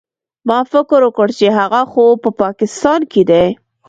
ما فکر وکړ چې هغه خو په پاکستان کښې دى.